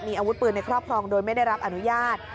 มีอาวุธปืนในครอบครองโดยไม่ได้รับอนุญาต